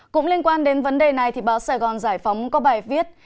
cũng liên quan đến vấn đề này báo sài gòn giải phóng có bài viết